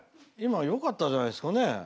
今よかったじゃないですかね。